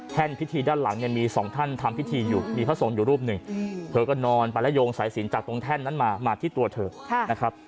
พิธีด้านหลังเนี่ยมีสองท่านทำพิธีอยู่มีพระสงฆ์อยู่รูปหนึ่งเธอก็นอนไปแล้วโยงสายสินจากตรงแท่นนั้นมามาที่ตัวเธอนะครับ